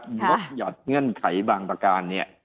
ลดหยอดเงื่อนไขบางประการเนี่ย